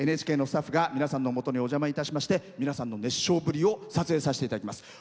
ＮＨＫのスタッフが皆さんのもとにお邪魔いたしまして皆さんの熱唱ぶりを撮影させていただきます。